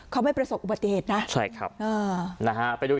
เขาไม่ประสบอุบัติเหตุนะใช่ครับอ่านะฮะไปดู